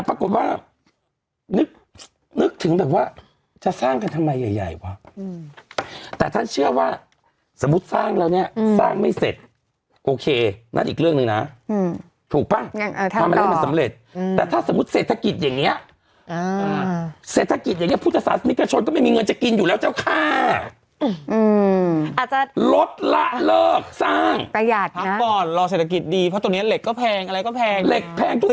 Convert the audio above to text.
ต้องขอบคุณทัวร์นะต้องขอบคุณทัวร์นะต้องขอบคุณทัวร์นะต้องขอบคุณทัวร์นะต้องขอบคุณทัวร์นะต้องขอบคุณทัวร์นะต้องขอบคุณทัวร์นะต้องขอบคุณทัวร์นะต้องขอบคุณทัวร์นะต้องขอบคุณทัวร์นะต้องขอบคุณทัวร์นะต้องขอบคุณทัวร์นะต้องขอบคุณทัวร์นะต้องขอบคุณทัวร